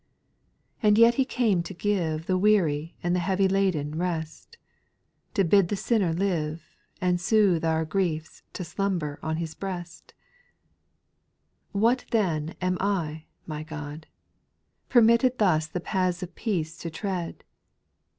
4. And yet He came to give The weary and the heavy laden rest, To bid the sinner live, And soothe our griefs to slumber on His breast I 5. What then am I, my God, Permitted thus the paths of peace to tread